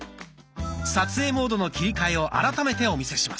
撮影モードの切り替えを改めてお見せします。